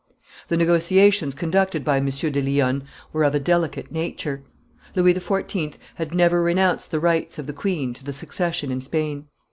The negotiations conducted by M. de Lionne were of a delicate nature. Louis XIV. had never renounced the rights of the queen to the succession in Spain.